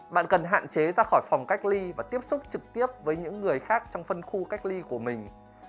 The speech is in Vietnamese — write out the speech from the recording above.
bạn cần hạn chế ra khỏi phòng cách ly và tiếp xúc trực tiếp với những người khác trong phân khu cách ly của mình